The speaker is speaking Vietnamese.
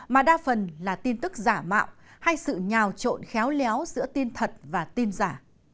mà đa phần là tin tức giả mạo hay sự nhào trộn khéo léo giữa tin thật và tin giả